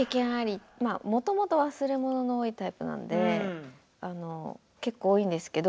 もともと忘れ物の多いタイプなんで結構多いんですけど。